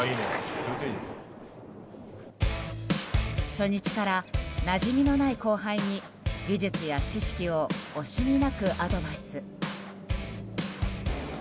初日から、なじみのない後輩に技術や知識を惜しみなくアドバイス。